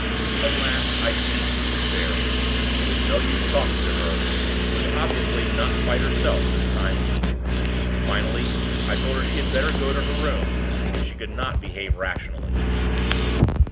At last, I ceased, in despair. It was no use talking to her; she was, obviously, not quite herself for the time being. Finally, I told her she had better go to her room, if she could not behave rationally.